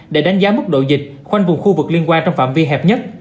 để đánh giá mức độ dịch khoanh vùng khu vực liên quan trong phạm vi hẹp nhất